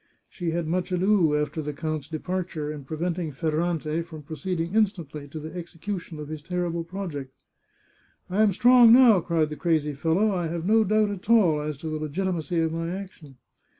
She had much ado, after the count's de parture, in preventing Ferrante from proceeding instantly to the execution of his terrible project. " I am strong now," cried the crazy fellow. " I have no doubt at all as to the legitimacy of my action."